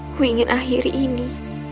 ku ingin akhir ini